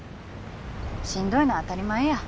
しんどいのは当たり前や。